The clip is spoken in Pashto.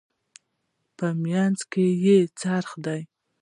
په منځ کې یې څرخ دی.